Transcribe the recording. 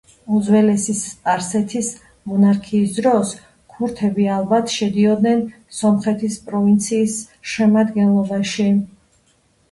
უძველესი სპარსეთის მონარქიის დროს ქურთები ალბათ შედიოდნენ სომხეთის პროვინციის შემადგენლობაში.